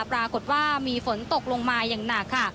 ปรากฏว่ามีฝนตกลงมาอย่างหนักค่ะ